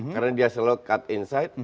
karena dia selalu cut inside